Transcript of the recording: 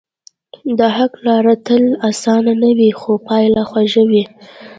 د حق لار تل آسانه نه وي، خو پایله خوږه وي.